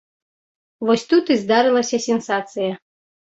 Вось тут і здарылася сенсацыя.